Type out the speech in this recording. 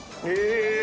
え！